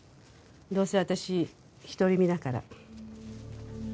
どうせ私独り身だから。